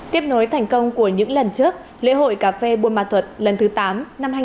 tiếp nối thành công của những lần trước lễ hội cà phê buôn ma thuật lần thứ tám năm hai nghìn hai mươi